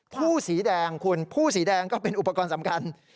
ผู้สีแดงคุณผู้สีแดงก็เป็นอุปกรณ์สำคัญ